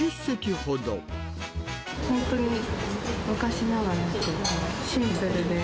ほんとに昔ながらでシンプルで。